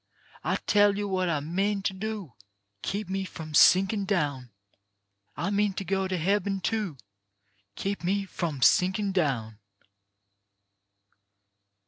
I tell yo' what I mean to do. Keep me from sinkin' down. I mean to go to hebben, too. Keep me from sinkin' down.